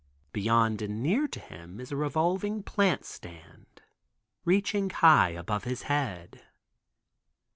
Beyond and near to him is a revolving plant stand, reaching high above his head.